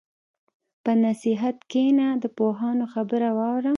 په نصیحت کښېنه، د پوهانو خبره واوره.